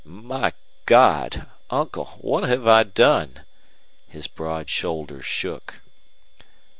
"My God! Uncle, what have I done?" His broad shoulders shook.